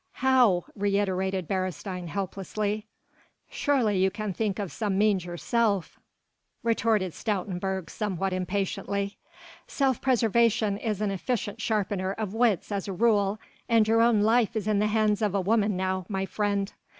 "How?" reiterated Beresteyn helplessly. "Surely you can think of some means yourself," retorted Stoutenburg somewhat impatiently. "Self preservation is an efficient sharpener of wits as a rule, and your own life is in the hands of a woman now, my friend."